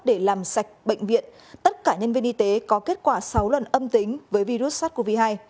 để làm sạch bệnh viện tất cả nhân viên y tế có kết quả sáu lần âm tính với virus sars cov hai